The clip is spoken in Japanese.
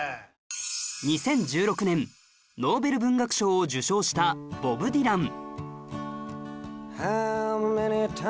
２０１６年ノーベル文学賞を受賞したボブ・ディラン